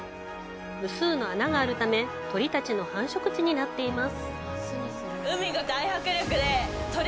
無数の穴があるため鳥たちの繁殖地になっています。